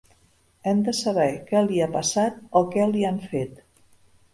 Hem de saber què li ha passat, o què li han fet.